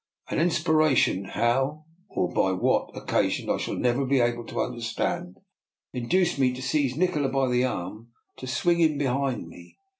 An inspiration, how or by what occasioned I shall never be able to understand, induced me to sieze Nikola by the arm and to swing him behind me.